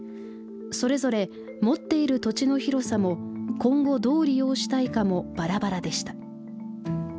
それぞれ持っている土地の広さも今後どう利用したいかもバラバラでした。